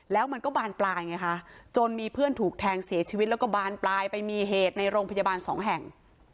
แล้วมันก็บานปลายไงคะจนมีเพื่อนถูกแทงเสียชีวิตแล้วก็บานปลายไปมีเหตุในโรงพยาบาลสองแห่ง